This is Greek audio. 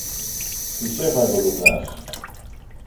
Τις έφαγε ο Λουκάς.